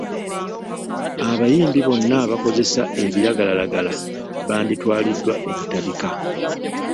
Abayimbi bonna abakozesa ebiragalalagala banditwaliddwa ebutabika.